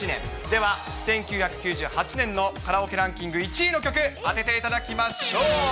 では、１９９８年のカラオケランキング１位の曲、当てていただきましょう。